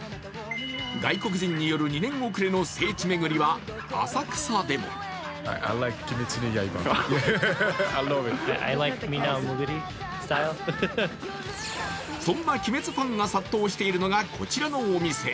外国人による２年遅れの聖地巡りは浅草でもそんな鬼滅ファンが殺到しているのが、こちらのお店。